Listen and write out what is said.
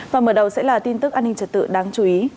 và mở đầu sẽ là tin tức an ninh trật tự đáng chú ý